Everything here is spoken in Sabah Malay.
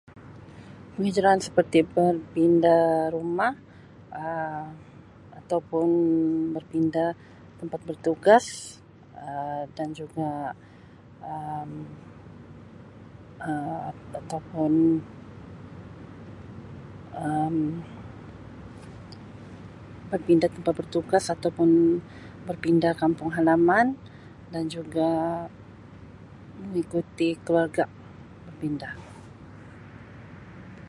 Penghijraan seperti berpindah rumah Um atau pun berpindah tempat bertugas Um dan juga Um atau pun Um berpindah tempat bertugas atau pun berpindah kampung halaman dan juga mengikuti keluarga berpindah.